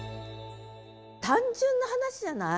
単純な話じゃない？